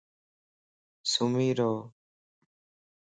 سمي رو